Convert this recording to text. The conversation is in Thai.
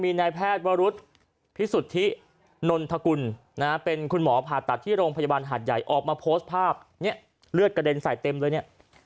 มีออกมาโพสต์ภาพเลือดกระเด็นใส่เต็มเลย